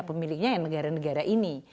pemiliknya yang negara negara ini